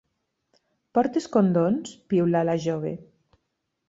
Portes condons? —piulà la jove.